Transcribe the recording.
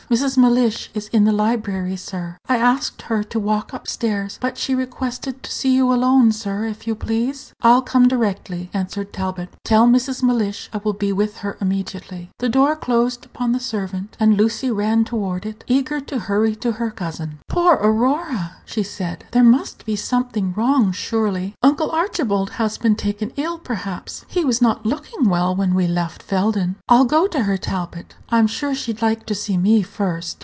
Mrs. Mellish is in the library, sir. I asked her to walk up stairs, but she requested to see you alone, sir, if you please." "I'll come directly," answered Talbot. "Tell Mrs. Mellish I will be with her immediately." The door closed upon the servant, and Lucy ran toward it, eager to hurry to her cousin. "Poor Aurora," she said; "there must be something wrong, surely. Uncle Archibald has been taken ill, perhaps; he was not looking well when we left Felden. I'll go to her, Talbot; I'm sure she'd like to see me first."